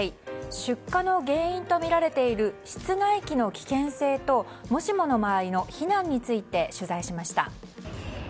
出火の原因とみられている室外機の危険性ともしもの場合の避難について取材しました。